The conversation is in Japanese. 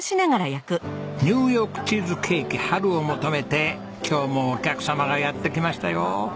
ニューヨークチーズケーキＨＡＲＵを求めて今日もお客様がやって来ましたよ。